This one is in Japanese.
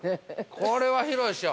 ◆これは広いでしょう。